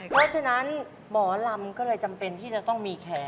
เพราะฉะนั้นหมอลำก็เลยจำเป็นที่จะต้องมีแขน